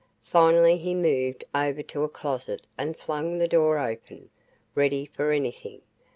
Finally he moved over to a closet and flung the door open, ready for anything.